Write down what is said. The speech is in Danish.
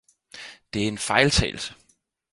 »Det er en Feiltagelse!